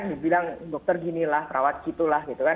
dibilang dokter ginilah perawat gitulah gitu kan